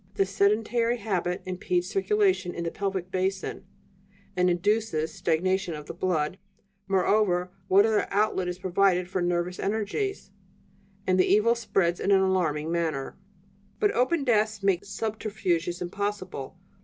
The sedentary habit impedes circulation in the pelvic basin, and induces stagnation of the blood; moreover, what other outlet is provided for the nervous energies? And the evil spreads in an alarming manner. "But open desks make subterfuges impossible.